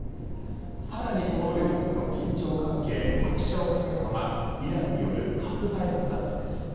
さらにこの両国の緊張関係拍車をかけたのがイランによる核開発だったんです。